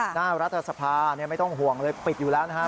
หน้ารัฐสภาไม่ต้องห่วงเลยปิดอยู่แล้วนะครับ